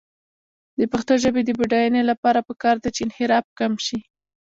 د پښتو ژبې د بډاینې لپاره پکار ده چې انحراف کم شي.